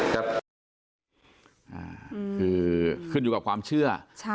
คือขึ้นอยู่กับความเชื่อ